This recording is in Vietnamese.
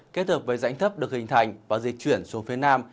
kết hợp với rãnh thấp được hình thành và di chuyển xuống phía nam